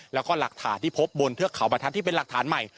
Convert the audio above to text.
แล้วก็หลักฐานที่พบบนเทือกเขาบรรทัศน์ที่เป็นหลักฐานใหม่